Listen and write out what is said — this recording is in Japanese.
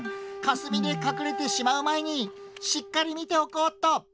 かすみでかくれてしまうまえにしっかりみておこうっと。